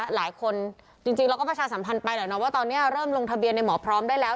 จริงเราก็ประชาสัมพันธ์ไปแหละนะว่าตอนนี้เริ่มลงทะเบียนในหมอพร้อมได้แล้ว